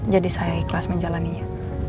jadi saya ikhlas menjalannya